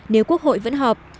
nếu quốc hội vẫn họp